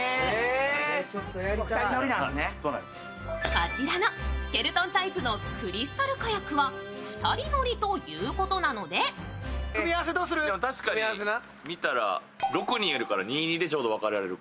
こちらのスケルトンタイプのクリスタルカヤックは２人乗りということなのでナダルを今後のことも考えて指名。